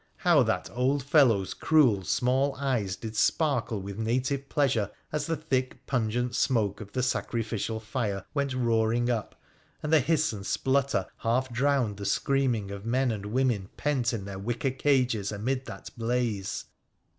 How that old fellow's cruel small eyes did sparkle with native pleasure as the thick pungent «34 WONDERFUL ADVENTURES OP smoke of the sacrificial fire went roaring up, and the hiss and splutter half drowned the screaming of men and women pent in their wicker cages amid that blaze